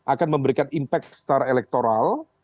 akan memberikan impact secara elektoral